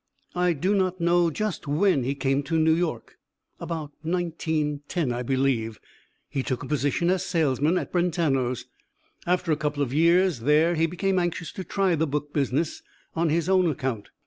I do not know just when he came to New York; about 1910, I believe. He took a position as salesman at Brentano's. After a couple of years there he became anxious to try the book business on his own account.